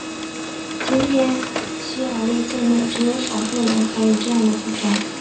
今天匈牙利境内只有少数人还有这样的主张。